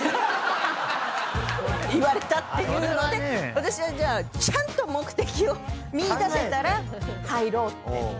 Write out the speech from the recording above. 言われたっていうので私はちゃんと目的を見いだせたら入ろうって。